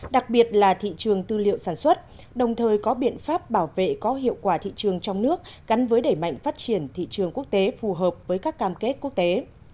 đặc biệt là thị trường tư liệu sản xuất đồng thời có biện pháp bảo vệ có hiệu quả thị trường trong nước gắn với đẩy mạnh phát triển thị trường quốc tế phù hợp với các cam kết quốc tế